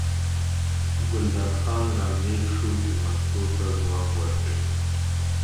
ګلداد خان را نېغ شو چې مستو ته ځواب ورکړي.